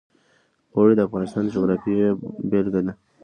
اوړي د افغانستان د جغرافیې بېلګه ده.